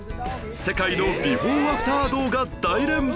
世界のビフォーアフター動画大連発！